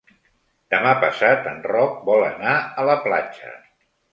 Demà passat en Roc vol anar a la platja.